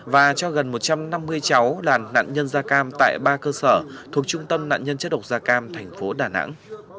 và cho gần một trăm năm mươi cháu là nạn nhân da cam tại ba cơ sở thuộc trung tâm nạn nhân chất độc da cam thành phố đà nẵng